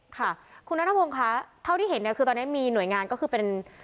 ค่ะคุณนานธวงค่ะเท่าที่เห็นก็ตอนนี้คือมีหน่วยงานก็เป็น